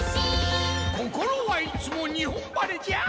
心はいつも日本晴れじゃ。